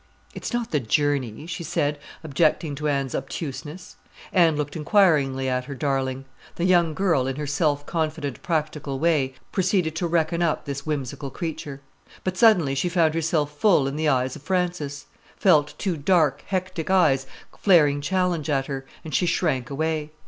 "It's not the journey," she said, objecting to Anne's obtuseness. Anne looked inquiringly at her darling. The young girl, in her self confident, practical way, proceeded to reckon up this whimsical creature. But suddenly she found herself full in the eyes of Frances; felt two dark, hectic eyes flaring challenge at her, and she shrank away.